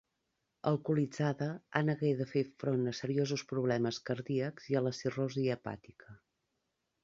Alcoholitzada, Anna hagué de fer front a seriosos problemes cardíacs i a la cirrosi hepàtica.